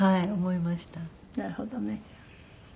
なるほどね。